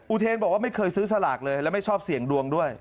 เทนบอกว่าไม่เคยซื้อสลากเลยแล้วไม่ชอบเสี่ยงดวงด้วย